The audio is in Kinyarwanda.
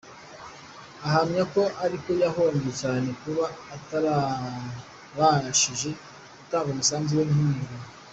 Ahamya ko ariko yahombye cyane kuba atarabashije gutanga umusanzu we nk’umunyarwanda.